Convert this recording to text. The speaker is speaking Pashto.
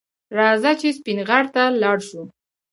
رځه چې سپین غر ته لاړ شو